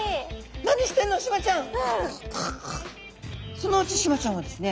そのうちシマちゃんはですね